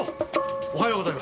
おはようございます。